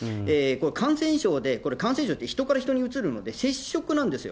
感染症で、感染症って人から人にうつるので、接触なんですよ。